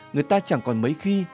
người ta chẳng còn mấy khi